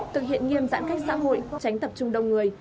thực hiện nghiêm giãn cách xã hội tránh tập trung đông người